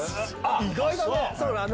意外だね！